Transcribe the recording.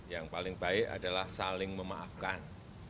yang paling baik adalah saling memaafkan